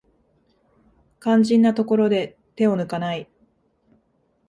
肝心なところで手を抜かない